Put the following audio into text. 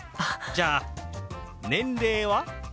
じゃあ年齢は？